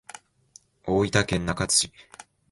大分県中津市